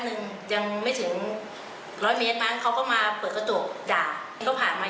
รถมันเยอะแล้วก็ทะยอยที่กันออกมาค่ะ